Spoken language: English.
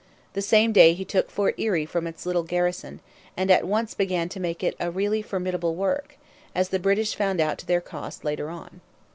The same day he took Fort Erie from its little garrison; and at once began to make it a really formidable work, as the British found out to their cost later on.